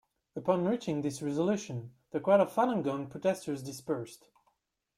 Upon reaching this resolution, the crowd of Falun Gong protesters dispersed.